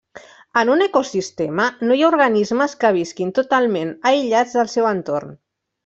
En un ecosistema no hi ha organismes que visquin totalment aïllats del seu entorn.